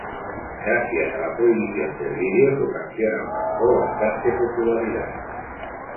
Gracias a la prohibición del vídeo, su canción alcanzó bastante popularidad.